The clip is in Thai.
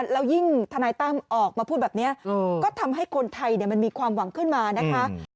แล้วยิ่งทนายตั้มออกมาพูดแบบนี้ก็ทำให้คนไทยมันมีความหวังขึ้นมานะคะ